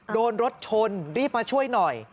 โดนรถชนรีบมาช่วยหน่อย